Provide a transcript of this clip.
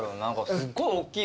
すっごいおっきい